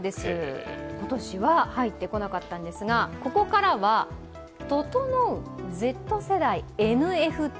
今年は入ってこなかったんですが、ここからは「ととのう」「Ｚ世代」「ＮＦＴ」